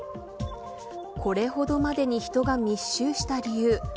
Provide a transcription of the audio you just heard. これほどまでに人が密集した理由。